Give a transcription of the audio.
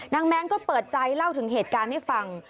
แมนก็เปิดใจเล่าถึงเหตุการณ์ให้ฟัง